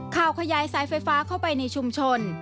ข่าวขยายสายไฟฟ้าเข้าไปในชุมชน